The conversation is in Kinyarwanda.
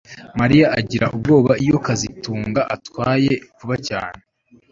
Mariya agira ubwoba iyo kazitunga atwaye vuba cyane